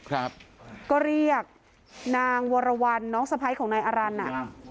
ครับก็เรียกนางวรวรรณน้องสะพ้ายของนายอารันต์อ่ะอ่า